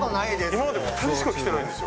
今まで１人しか来てないんですよ。